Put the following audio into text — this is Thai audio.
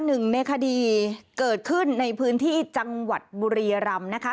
หนึ่งในคดีเกิดขึ้นในพื้นที่จังหวัดบุรียรำนะคะ